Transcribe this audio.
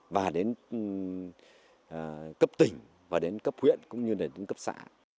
và đến cấp tỉnh và đến cấp huyện cũng như là đến cấp xã